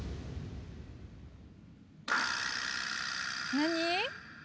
何？